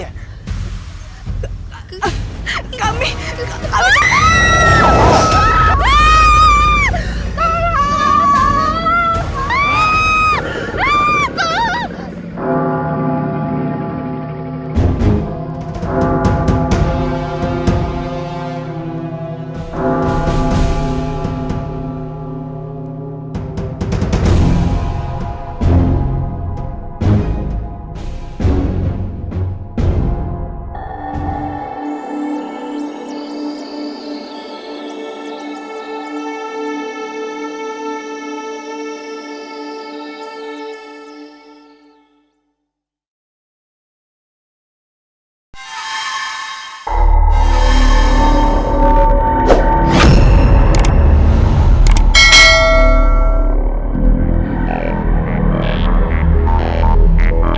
sampai jumpa di video selanjutnya